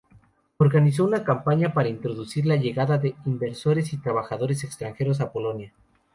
Organizó una campaña para introducir la llegada de inversores y trabajadores extranjeros a Polonia.